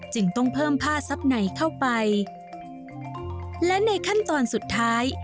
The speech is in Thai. จึงต้องเพิ่มผ้าซับในเข้าไปและในขั้นตอนสุดท้าย